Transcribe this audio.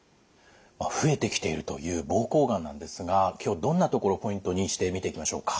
増えてきているという膀胱がんなんですが今日どんなところポイントにして見ていきましょうか。